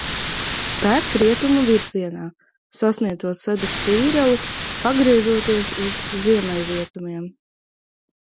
Tek rietumu virzienā, sasniedzot Sedas tīreli pagriežoties uz ziemeļrietumiem.